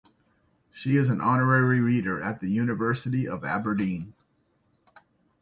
She is Honorary Reader at the University of Aberdeen.